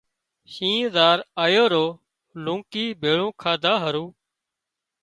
شينهن زار آيو رو لونڪي ڀيۯو کاڌا هارو